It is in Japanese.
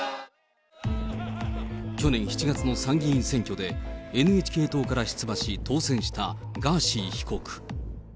去年７月の参議院選挙で、ＮＨＫ党から出馬し当選したガーシー被告。